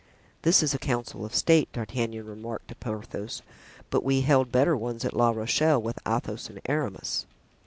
("This is a council of state," D'Artagnan remarked to Porthos; "but we held better ones at La Rochelle, with Athos and Aramis."